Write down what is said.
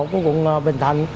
của quận bình thạnh